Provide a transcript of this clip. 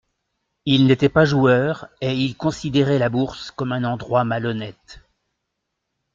Il n'était pas joueur et il considérait la Bourse comme un endroit malhonnête.